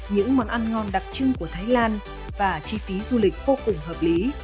những món ăn ngon đặc trưng của thái lan và chi phí du lịch vô cùng hợp lý